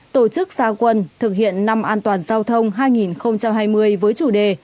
bảy tổ chức xa quân thực hiện năm an toàn giao thông hai nghìn hai mươi với chủ đề